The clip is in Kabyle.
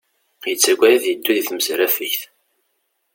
Yettaggad ad yeddu di tmesrafegt